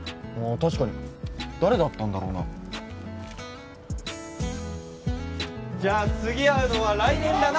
確かに誰だったんだろうなじゃあ次会うのは来年だな！